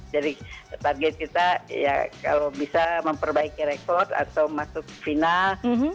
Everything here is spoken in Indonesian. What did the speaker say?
jadi target kita ya kalau bisa memperbaiki rekod atau masuk final